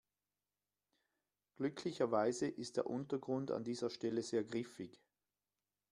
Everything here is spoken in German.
Glücklicherweise ist der Untergrund an dieser Stelle sehr griffig.